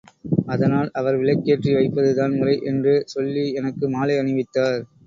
அதனால் அவர் விளக்கேற்றி வைப்பதுதான் முறை, என்று சொல்லி எனக்கு மாலை அணிவித்தார்.